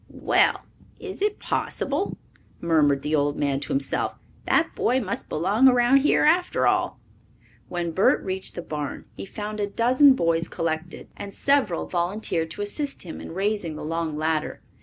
"Well, is it possible!" murmured the old man to himself. "That boy must belong around here after all!" When Bert reached the barn he found a dozen boys collected, and several volunteered to assist him in raising the long ladder.